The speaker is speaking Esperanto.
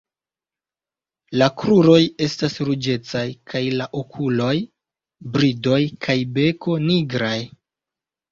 La kruroj estas ruĝecaj kaj la okuloj, bridoj kaj beko nigraj.